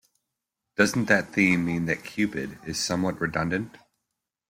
Doesn't that theme mean that 'Cupid' is somewhat redundant?